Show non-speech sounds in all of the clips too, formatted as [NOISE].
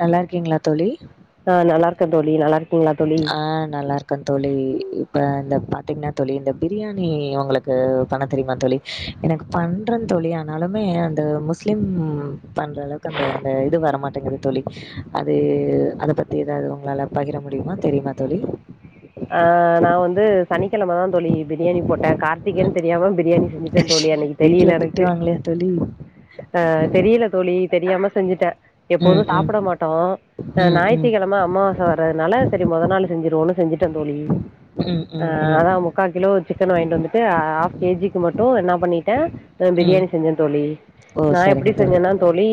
நல்லா இருக்கீங்களா தோழி ஆ நல்லா தோழி நல்லா இருக் ஆஹ் நல்லா இருக் க்க தோழி இப்ப இந்த பாத்தீங்கன்னா தோழி இந்த பிரியாணி உங்களுக்கு பண்ணத் தெரியுமா தோழி எனக்கு பண்ற தோழி ஆனாலுமே அந்த முஸ்லிம் பண்ற அளவுக்கு அந்த அந்த இது வரமாட்டேங்குது தோழி அது அத பத்தி ஏதாவது உங்களால பகிரம் முடியுமா தெரியுமா தோழி ஆஹ் நா வந் ந்து சனிக்கிழமை தா தோழி பிரியாணி போட்டே கார்த்திகேன்னு தெரியாம பிரியாணி செஞ்சிட்டன் தோழி அன்னைக்கி வீட்ல தெரியல எனக்கு திட்டுவாங்களே தோழி. ஆஹ தெரியல தோழி தெரியாம செஞ்சுட்டே எப்போது ம், ம். சாப்பிட மாட்டோம் ஹ் ம், ம். ஞாயிற்றுக்கிழமை அமாவாசை வர்றதுனால சரி முத நாள் செஞ்சவோன்னு ட்டந் தோழி ம், அ ம், ம். அத முக்கா கிலோ சிக்கன வாங்கிட்டு வந்துட்டு ஆஃப் கேஜிக்கு மட்டு என்னா பண்ணட்ட ஹ் ம். பிரியாணி செஞ்சேன் தோழி ஓ! நா எப்படி சரிங்க செஞ்சேன்னா தோழி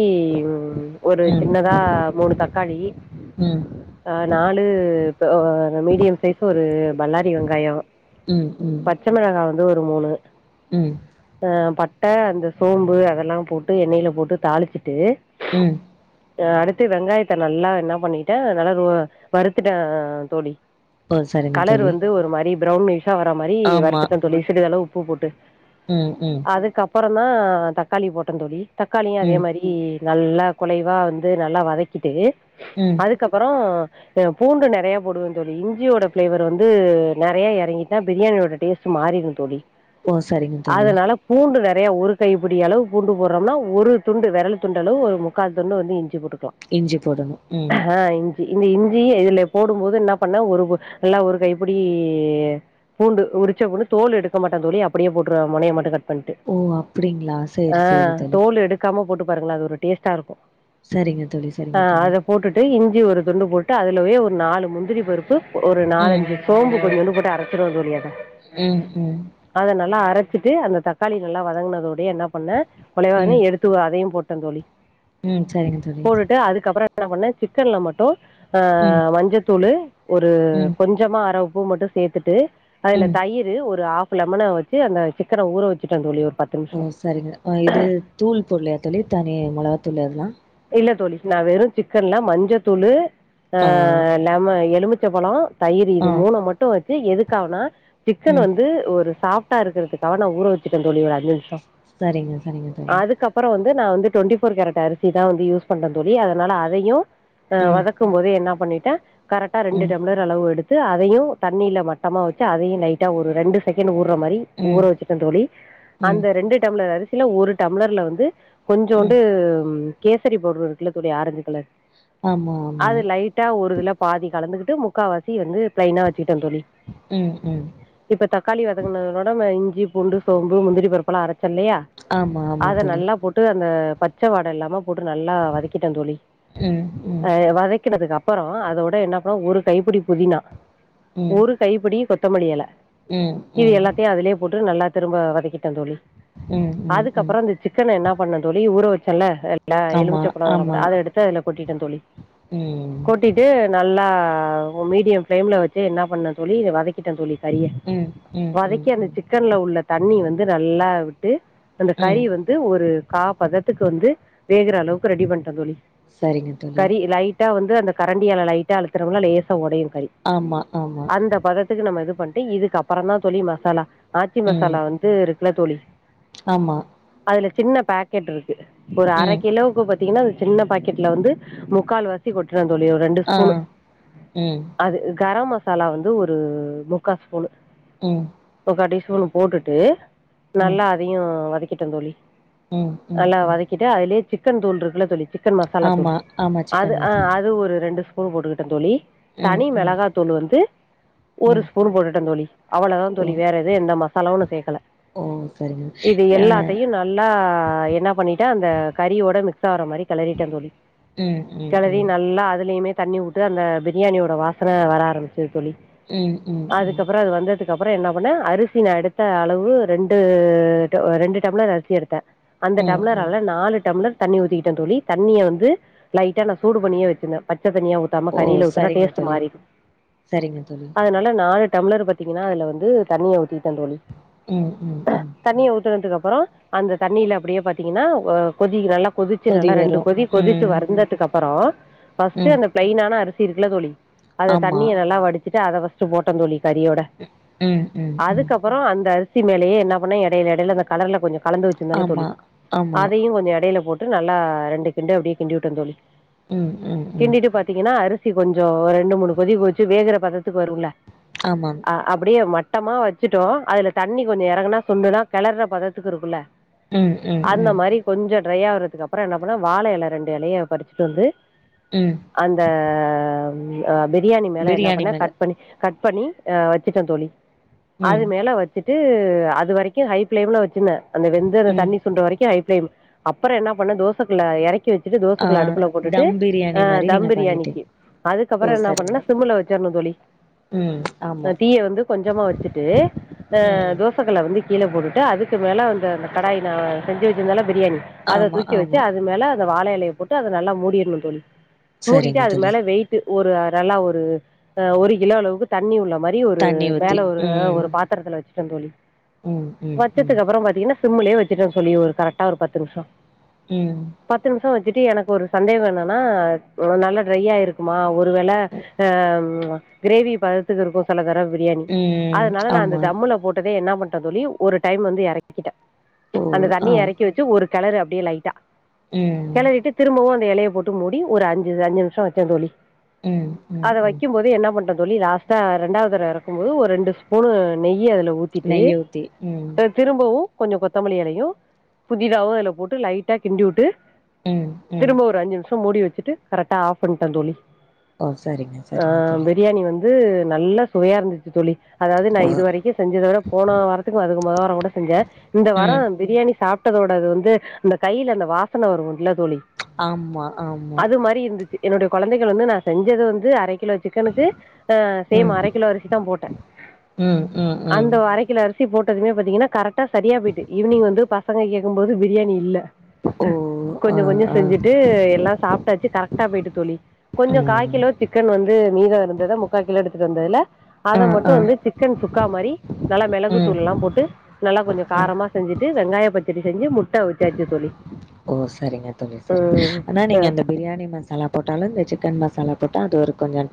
ஒரு ம், சின்னதா மூணு தக்காளி ம். ம், ஆஹ் நாலு மீடியம் சைஸ் ஒரு பல்லாரி வெங்காயோ ம். பச்சை மிளகா வந்து ஒரு மூனு ம், ஆஹ் பட் ட அந்த சோம்பு அதெல்லாம் போட்டு எண்ணெயில போட்டு தாளிச்சிட்டு உம் அடுத்து வெங்காயத்த நல்லா என்ன பண்ணிட்ட நல்லா ரோ வறுத்துட்ட தோழி ஓ! சரிங்க கலர் தோழி. வந்து ஒரு மாரி பிரவுனிஷ் வர்ர மாரி வருத்துட்ட தோழி சிறிதளவு உப் உப்பு போட்டு உம் உம் புறந்தா தக்காளி போட்டோந் தோழி தக்காளியு அதே ம் மாரி நல்லா குலைவா வந்து நல்லா வதக்கிட்டு ம் அதுக்கப்புறோ பூண்டு நெறயா போடுவந் தோழி ஜியோட ஃப்ளேவர் வந்து நெறயா இறங்கிட்டா பிரியாணியோட டேஸ்ட்டு மாறிருந் தோழி ஓ சரிங்க தோழி அதனால பூண்டு நெற யா ஒரு கைப்புடி அளவு பூண்டு போடுறோம்னா ஒரு துண்டு விரல் துண்டு அளவு ஒரு முக்கால் துண்டு வந்து இஞ்சி போட்டு இஞ்சி போடணும் உம் இந்த இஞ்சிய இதுல போடும்போது என்ன பண்ண ஒரு நல்லா ஒரு கைப்புடி பூண்டு உரிச்சாகூட தோல் எடுக்க மாட்டன் தோழி அப்படியே போட்டுருவ மொனய மட்டு கட் பன்ட்டு ஓ அப்டிங்களா சேரி சேரி ஆஹ் தோழி தோல் எடுக்காம போட்டு பாருங்கள அது ஒரு டேஸ்டா இருக்கு சரிங்க தோழி சரிங்க தோழி ஞ்சி ஒரு துண்டு போட்டு அதுலவே ஒரு நாலு முந்திரி பருப்பு ஒரு ம் நாலஞ்சு சோம்பு பொடி வந்து போட்டு அரச்சிருவந் தோழி அத உம் உம் வெச்சிட்டு அந்த தக்காளி நல்லா வதங்கினதோ என்ன பண்ண ம் கொலைவானது எடுத்து அதையு போட்டு ட்டங் தோழி ம் சரிங்க தோழி போட்டுட்டு அதுக்கப்புற என்ன பண்ண சிக்கன்ல மட்டு ஆ ம் மஞ்சத்தூளு ஒரு ம் கொஞ்சமா அர ப்பு மட்டு சேத்துட்டு அதுல ம் தயிறு ஒரு ஆப் ப் லெமன வச்சு அந்த சிக்கன ஊற வச்சுட் தோழி ஒ ஓ சரிங்க இது தூள் போடலையா தோழி தனி மொளக தூள் எல்லா இல்ல தோழி நா வெறும் சிக்கன்லா மஞ்ச தூளு ஆ லெம எலுமிச் ச்ச பழம் தயிர் ஆ இது மூணு மட்டு வச் இது எதுக்காவனா சிக்கன் ம் வந்து ஒரு சாப் டா இருக்கறதுக்காக நா ஊற வச்சிட்ட தோழி ஒரு அஞ்சு நிமிஷம் சரிங்க சரிங்க தோழி ந்து நா வந்து டுவென்டி ஃபோர் கேரட் அரி சிதா வந்து யூஸ் பண்ற தோழி அதனால அதையு ஆ ம் வதக்கும் போது என்னாப் பண்ணிடெ கரட்டா ரெண்டு ம் டம்ளர் அளவு எடுத் து அதையு தண்ணில மட்டமா வச்சு அதையுங் லைட்டா ஒரு ரெண்டு செகெண்ட் ஊ ற்ற மாரி ஊற ம் வச்சுட்டே தோழி ம் அந்த ரெண்டு டம்ளர் அரி சில ஒரு டம்ளர்ல வந்து ம் கொஞ்சோண்டூ கேசரி பவுடர் இருக்குல தோழி ஆரெஞ்சு கலர் ஆமா ஆமா அது லைட்டா ஒரு இதுல பாதி கலந்துகிட் டு முக்கா வாசி வந்து பிளைனா வச் சிகிட்டட தோழி ம் ம் இப்ப தக்காளி வதங்குனதோட இஞ் சி பூண்டு சோம்பு முந்திரி பருப்புலா அர சல்லையா ஆமா ஆமா அத தோழி நல்லா போட்டு அந்த பச்ச வாட இல்லாம போட்ரு நல்லா வதக்கிட்டே தோழி ம் ம் ஆஹ் வதக்கினதுக் அப் ப்புறோ அதோட என்னப்றோ ஒரு கைப்பிடி புதினா ஒரு கைப்பிடி கொத் த்த மல்லியல உம் உம் டு நல்லா திரும்ப வதக்கிடே தோழி ம் ம் ம் அதுக்கப்புறொ இந்த சிக்கன என்னா பண்ணு தோழி ஊற வச் சொல்ல ஹெல் ல்ல ஆமா எலுமிச்சப்பளோ அதுல ஆமா போட்டு அத எடுத்து அதுல கொட்டிட்டே தோழி ம் கொட்டிட்டூ நல்லா ஆஹ் ஒர் மீடியம் பிஃளேம்ல வச்சி என்னா பண்ணு தோழி இத வதக்கிட்டே தோழி சரியா ம் ம் ம் வதக்கி அந்த ம் சிக்கன்ல உள்ள தண்ணீ வந்து நல்லா விட்டு இப்ப அந்த ம் கறீய வந்து ஒரு கா பதத் துக்கு வந்து வேகுற அலவுக்கு ரெடி பண்ட தோழி சரிங்க தோழி ந்து அந்த கரண்டியால லைட்டா அழுத்துரவுல்ல லேசா ஒடயூங் சரி ஆமா ஆமா அந்த பததுக்கு நம்ம இது பண் டு இதுக்கு அப்பறோ தா தோழி மசாலா ஆச்சி ம் மசாலா வந்து இருக் குல தோழி ஆமா அதுல சின்ன பேக்கெட் இருக் கு ஒரு ம் அரக் பாத்தீங்கன்னா அது சின்ன பாக்கெட்ல வந்து முக்கால் வாசி கொட்றன் தோழி ஒரு ரெண்டு ஆ ஸ்பூனு ம் அது கரம் ம சாலா வந்து ஒரு முக்கா ஸ்பூனு ம் கடைசி ஒன்னு போட்டுட்டு ம் நல்லா அதையு வதக் கிட்டேந்தோழி ம் ம் நல்லா ம் வதக்கிட்டு அதுலயே சிக்கன் தூள் இருக்ல தோழி சிக்கன் மசாலா தூள் ஆமா ஆமா அது சிக்கன் அஹ் மசாலா அது ஒரு ரெண்டு பூ போட்டுக்கிட்டே தோழி ம் தனி ம் மெளகா தூள் வந்து ஒரு ம் ஸ்பூன் போட்டுட்ட தோழி அவ்வளோதா ஓ தோழி வேற எது எந்த மசாலாவு நா சேக்கல ஓ சரிங்க இது ஆ எல்லாத்தையும் நல்லா என்ன பண்ணிட்டா அந்த கூட மிக்ஸ் ஆற மாரி கெளறிட்டே தோழி ம் ம் கெளறி ம் ம் நல்லா அது லமே தண்ணி வுட்டு அந்த பிரியாணியோட வாசனை வர ஆரமி க்குது தோழி ம் ம் அதுக்கப்புறோ அது வந்தது கப்புறோ என்ன பண்ணே அரிசி நா எடுத்த அளவு ரெண்டு ட ரெண்டு டம்ளர் அரிசி எடுத்தேன் அந்த ம் ம் டம்ளரால நாலு டம்ளர் தண்ணி ஊத்திக்கிட்டேன் தோழி தண்ணிய வந்து லைட்டா நா சூடு பண்ணியே வச்சிருந்தேன் பச் ச்ச தனியா ஊத்தாம ஓ கறில ஊத்துனா சரிங்க டேஸ்ட் தோழி மாறிரு சரிங்க தோழி அதனால நான டம்ளர் பாத்தீங்கன்னா அதுல வந்து தண்ணிய ஊத்தி ட்டே தோழி ம் ம் ம் தண்ணிய ஊத்துனதுக்கு அப் ப்பறோ அந்த தண்ணில அப்டியே பாத்தீங்கன்னா வ கொதிக்கிறல்லா கொதிச்சு கொதி நல்லா ரெண்டு வரு கொதி கொதிச்சு ம் வருந்ததுக்கு அப்பறோ ஃபர்ஸ்ட்டு ம் அந்த ப்ளைனான அரி சி இருக்ல தோழி அத ஆமா. தண்ணிய நல்லா வடி சிட்டு அத ஃபஸ்ட்டு போட்டே தோழி கரியோட ம், ம், ம். அதுக்கப்புறம் அந்த அரி சி மேலையே என்ன பண்ணா எடையில எடையில அந்த கலர்ல கொஞ்ச கலந்து வச்சிருந்தால தோழி ஆமா, ஆமா. அதையும் கொஞ்சம் கடயில போட்டு நல்லா ரெண்டு கிண்டு அப்படியே கின்டி விட்ட தோழி ம், ம், ம். கிண்டிட்டு பாத்தீங்கன்னா அரிசி கொஞ்சம் ரெண்டு மூணு கொதிக்க வச்சு வேகற பதத்துக்கு வருங்கள ஆமாம். ஆ அப்படியே மட் ட்டமா வச்சுட்டோம் அதுல தண்ணி கொஞ்சம் இறங்குனா சுண்டுனா கிளர்ற பதத்துக்கு இருக்குல்ல ம் ம் ம் கொஞ்சம் டிரையாவருதுக்கு அப்புறம் என்ன பண்ண வாழை எல ரெண்டு எலையை பறிச்சுட்டு வந்து ம். அந்த [UNINTELLIGIBLE] பிரியாணி மேல என்ன பிரியாணி பண்ண மேல. கட் பண்ணி கட் பண்ணி அஹ் வெச்சுட்டேன் தோழி அது ம், மேல வெச்சு ட்டு அது வரைக்கு ஹை ஃபிளேம்ல வெச்சிந்த அந்த வெந்து ம். தண்ணி சுன்ட வரைக்கு ஹை ஃப்லேம் அப்புறோ என்ன பண்ண தோசைக்கல்ல எறக்கி வெச் சுட்டு ஆ தோசைகல்ல அடுப்புல போட்டுட்டு தம் பிரியாணி மாரி தம் நீங்க பண்ணிட்டீங்க. பிரியாணிக்கு ஓ! அதுக்கப்புறோ என்ன சரிங்க. பண்ணனா சிம்ல வெச்சு வெச்சிரனுந் தோழி ம், ஆமா. ஆஹ் தீய வந்து கொஞ்சமா வெச்சுட்டு ஆஹ் ம். தோசக்கவ்ல வந்து கீழ போட்டுட்டு அதுக்கு மேல வந்து அந்த கடாய்ல செஞ்சு வெச்சிருந்தல்ல பிரியாணி அத ஆமா, தூக்கி வெச்சு ஆமா. அது மேல அந்த வாழையிலய போட்டு அத நல்லா மூடிடணுந் தோழி மூடிட்டு சரிங்க அது தோழி. மேல வெயிட்டு ஒரு நல்லா ஒரு ஒரு கிலோ அளவுக்கு தண்ணி உள்ள மாரி ஒரு தண்ணி ஊத்தி. மேல ஒரு ம், ஒரு பாத்திரத்தில் வெச்சு ரங்கோலி ம், ம், ம், வச்சதுக்கு அப்புறம் பாத்தீங்கன்னா சிம்லயே வச்சிட்ட தோழி கரெ டா ஒரு பத்து நிமிஷோ உம் ஷோ வெச்சிட்டு எனக்கு ஒரு சந்தேகோ என்னன்னா நல்ல ட்ரையா இருக்குமா ஒருவேள ப்ச் கிரேவி பதத்துக்கு இருக்கு சில தரவ பிரியாணி ம். அதனால நா அந்த ஆமா. தம்ள போட்டு என்ன பண்ற தோழி ஒரு டைம் வந்து இறக்கிகிட்ட ஓ! அந்த தண்ணி ஆ. இறக் கிட்டு ஒரு கிலரு அப்படியே லைட்டா ம், கிளறிட்டு திரும்பவு அந்த இலையை போட்டு மூடி ஒரு அஞ்சு அஞ்சு நிமிஷம் வெச்சேன் தோழி ம், ம், அத ம். வைக்கும் போது என்ன பண்றது தோழி லாஸ்டா இரண்டாவது தரவ எறக்கும்போது ஒரு ரெண்டு ஸ்பூன் நெய் அதில் ஊத்திட்டு நெய்ய ஊத்தி. ம், திரும்பவு கொஞ்சோ கொத்தமல்லி எலையு புதினாவு அதுல போட்டு லைட்டா கிண்டி வுட்டு ம், ம். திரும்ப ஒரு அஞ்சு நிமிஷோ மூடி வெச்சு ட்டு கரெக்ட்டா ஆப் பண்ணிட்டந் தோழி ஓ சரிங்க சரிங்க தோழி இது நல்லா சுவையா இருந்துச்சு தோழி அதாவது நா இது ம் வரைக்கு செஞ்சத விட போன வாரத்துக்கு அதுக்கு முத வாரோ கூட செஞ்சே இந்த வாரோ பிரியாணி சாப் டதோட இது வந்து அந்த கையில்ல அந்த வாசன வரு இல்ல தோழி ஆமா ஆமா அது மாரி இருந்துச்சு என்னுடைய குழந்தைகள் வந்து நா செஞ்சது வந்து அரை கிலோ சிக்கனுக்கு அ சேம் ம் அரை கிலோ அரிசி தா போட்டே ம் ம் ம் அந்த அரை கிலோ அரிசி போட்டதுமே பாத்திங்கன்னா கரெட் பசங்க கேட்குபோது பிரியாணி இல்ல ஓ கொஞ்ச ஆ கொஞ்ச ஆ செஞ்சுட்டு எல்லா சாப்பிட்டாச்சு கரெக்டா போயிட்டு தோழி கொஞ்சோ காய் ம் கிலோ சிக்கன் வந்து மீதம் இருந்தத முக்கா கிலோ எடுத்துட்டு வந்ததுல ஆ அத மட்டு ஆ வந்து சிக்கன் சுக்கா மாரி நல்லா மிளகு ம் தூள் எல்லா போட்டு நல்லா கொஞ்ச ம் காரமா செஞ்சுட்டு வெங்காய பச்ச சரி செஞ்சு முட்ட அவுச்சாச்சு தோழி ஓ சரிங்க தோழி சரிங்க ம் ஆனா அ நீங்க இந்த பிரியாணி மசாலா போட்டாலு இந்த சிக்கன் மசாலா போட்ட அது ஒரு கொஞ்ச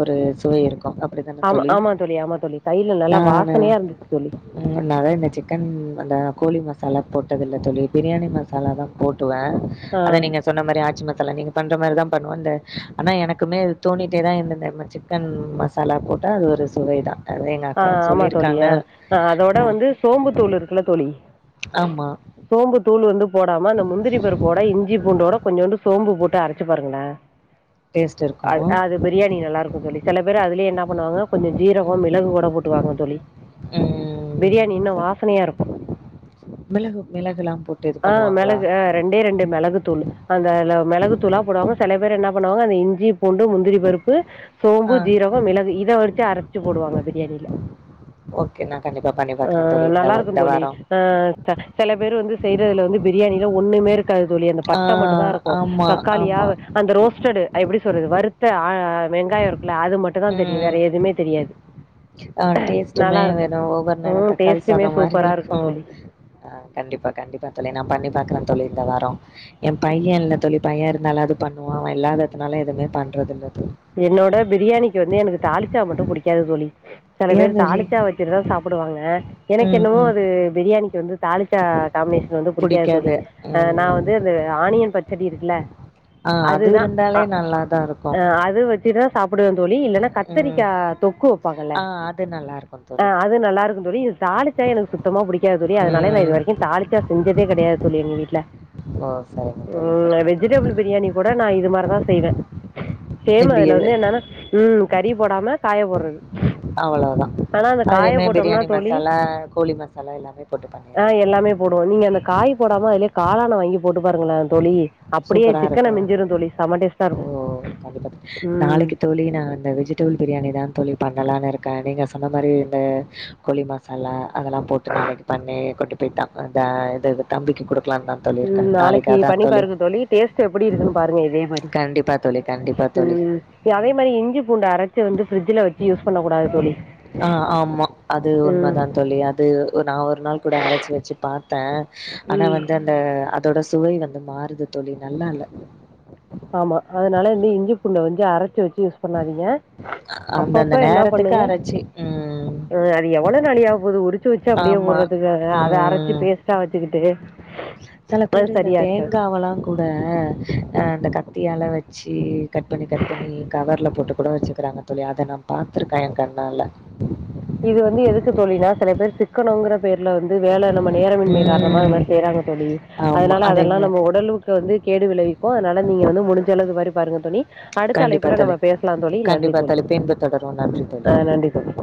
ஒரு சுவை இருக்கு அப்படித்தானே ஆமா தோழி ஆமா ஆமா தோழி கையில நல்லா நானு வாசனையா இருந்துச்சு தோழி இல்ல அத இந்த சிக்கன் அந்த கோழி மசாலா போட்டதில்ல தோழி பிரியாணி மசாலா தா ட்டுவே ஆ அத நீங்க சொன்ன மாரி ஆச்சி ம சாலா நீங்க பண்ற மாரி தா பண்ணுவே இந்த ஆனா எனக்குமே அது தோணிட்டே தா இருந்தது இந்த சிக்கன் மசாலா போட்டா அது ஒரு சுவைதா ஆஹ் ஆமா தோழியா ஆஹ் அதோட அ வந்து சோம்பு தூள் இருக்குல்ல தோழி ஆமா. சோம்பு தூள் வந்து போடாம அந்த முந்திரி பருப்போட இஞ்சி பூண்டோட கொஞ்சோண்டு சோம்பு போட்டு அரச்சு பாருங்களே டேஸ்ட் அ இருக்கும். அது பிரியாணி நல்லா இருக்கு தோழி சில பேர் அதுலயே என்ன பண்ணுவாங்க கொஞ்ச ஜீரகோ மிளகு போட்டு பாருங்க தோழி ம். பிரியாணி இன்னு சரி. வாசனையா இருக்கு மிளகு மிளகுலாம் போட்டு இது ஆ பண்ணுவாங்களா? மெளகு அ ரெண்டே ரெண்டு மிளகு தூளு அந்த அ மெளகு தூளா போடுவாங்க செல பேரு என்ன பண்ணுவாங்க அந்த இஞ்சி பூண்டு முந்திரி பருப்பு ஆ. சோம்பு ஜீரகோ மிளகு இத வச்சு அரச்சு போடுவாங்க அது தெரில ஓகே. நான் கண்டிப்பா பண்ணி ஆ பார்க்குறேன் தோழி இந்த நல்லா வா- இந்த இருக்குந்தோழி வாரம். அ செல பேரு வந்து செய்றதுல வந்து பிரியாணில ஒன்னுமே இருக் காது தோழி அந்த ஆ பட்ட மட்டு தா இருக்கு ஆமா, தக்காளியா ஆமா. அந்த ரோஸ்டடு எப்டி சொல்றது வருத்த ஆ வெங்காயோ இருக் குல அது மட்டு தா தெரியு ம். வேற எதுமே தெரியாது ஆ டேஸ்ட்டுமே நல்லா இருக்கு வெறு ஒவ்வொரு நேரோ ம் தக்காளி டேஸ்ட்டுமே சாதோ மாரி சூப்பரா இருக்கு தோழி ஆ கண்டிப்பா கண்டிப்பா தோழி நா ப ண்ணி பாக்குற தோழி இந்த வாரோ எ பைய இல்ல தோழி பைய இருந்தாலாது பண்ணுவே அவ இல்லாததுனால எதுமே பண்றது இல்ல தோ என்னோட பிரியாணி இது என்ன எனக்கு தாலி சா மட்டு புடிகாது தோழி செல பேர் ஏன் தோழி? தாளிச்சா வச்சுட்டு தா சாப்டுவாங்க எனக்கு ம், என்னவோ ம். அது பிரியா ணிக்கு வந்து தாலிச்சா காம்பினேஷன் வந்து பிடிக்காது தோழி புடிக்காது. ஆ நா ம். வந்து அந்த ஆனியன் ப செடி இருக்குல ஆ அது இருந்தாலே நல்லாதா இருக்கு சித சாப் டுவ தோழி இல்லனா கத்தரிக்கா தொக்கு வப்பாங்கல்ல ஆ அது நல்லா இருக் ஆ அது நல்லா இருக்கு தோழி இது தாலிச்சா எனக்கு சுத்தமா புடிக்காது தோழி அதனால நா இது ம். வரைக்கு தாலிச்சா செஞ்சதே கடையாது தோழி எங்க வீட்ல ஓ! சரிங்க தோழி, ம் சரிங்க தோழி. வெஜிடபிள் பிரியாணி கூட நா இது மாரிதா செய்வ சேம் இப்படி அதுல வந்து என்னனா ம் கறி போடாம காய போடுறது அவ்ளவ் தா ஆனா அந்த காய போட்டம்னா தோழி கோழி மசாலா எல்லாமே போட்டு ஆ பண்ணிர்றீங்க. எல்லாமே போடுவோ நீங்க அந்த காய் போடாம அதுலே கா ல வாங்கி போட்டு பாருங்களே தோழி அப்டியே சூப்பரா இருக்கு சிக்கன மிஞ்சிரு தோழி செம டேஸ்ட்டா இருக்கு ஓ கண்டிப்பா ம் நாளைக்கு தோழி நா இந்த வெஜிடபிள் பிரியாணி தா தோழி பண்ணலானு இருக் க நீங்க சொன்ன மாரி இந்த கொழி மசாலா அதெல்லா போட்டு நாளைக்கு பண்ணி கொண்டு போய் த இந்த இத தம்பிக்கு குடு க்லா தா தோழி இருக்க நாளைக்கு பண்ணிப் பாருங்க தோழி டேஸ்ட் எப்படி இருக்குன்னு பாருங்க இதே மாதிரி கண்டிப்பா தோழி, கண்டிப்பா தோழி. உம் அதே மாதிரி இஞ்சி பூண்ட அரைச்ச வந்து பிரட்ஜ்ல வச்சு யூஸ் பண்ண கூடாது தோழி ஆ ஆமா. அது உம் உண்மதான் தோழி. பாத்த ஆனா வந்து அந்த அதோட சுவை மாறுது தோழி நல்லால்ல ஆமா அதனால வந்து இஞ்சி பூண்ட வந்து அர ச்சு வச்சி யூஸ் பண்ணாதீங்க அந்தந்த அப்பப்ப என்ன நேரத்துக்கு பண்ணுங்கஹ அரைச்சு ம். ஹூ அது எவ்வளவு நாழியாக போகுது உரிச்சு வச்சு அப்படியே ஆமா. போடுறதுக்கு அத அரைச்சு ம். பேஸ்டா வச்சுக்கிட்டு சில அது பேரு இந்த சரியா இருக்காது தேங்காவெல்லாம் கூட அஹ் அந்த கட் த்தியால வச்சி கட் பண்ணி கட் பண்ணி கவர்ரல போட்டு கூட வச்சுக்கிறாங்க தோழி அத நான் பார்த்தருக்கேன் என் கண்ணால இது வந்து எதுக்கு தோழினா சில பேர் சிக்கனங்கற பேர்ல வந்து வேல நம்ம நேரமின்மை காரணமா ம். இன்மாரி செய்றாங்க தோழி ஆமா. அதனால அதெல்லாம் அதேமே நம்ம உடலுவுக்கு வந்து கேடு விளைவிக்கும் அத நீங்க வந்து முடிஞ்சளவு வர பாருங்க தோழி அடுத்த கண்டிப்பா அழைப்புல நம்ம தோழி. பேசலாம் தோழி நன்றி கண்டிப்பா தோழி பின்பு தொடருவோம். நன்றி தோழி. ஆஹ் நன்றி தோழி